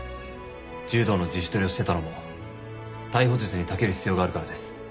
柔道の自主トレをしてたのも逮捕術にたける必要があるからです。